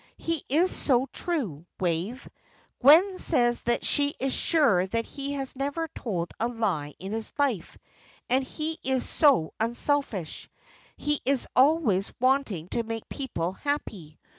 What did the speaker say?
He is so true, Wave; Gwen says that she is sure that he has never told a lie in his life, and he is so unselfish, he is always wanting to make people happy.